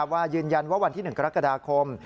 ยืนยันว่าวันที่๑กรกฎาคม